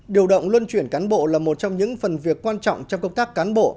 điều động luân chuyển cán bộ là một trong những phần việc quan trọng trong công tác cán bộ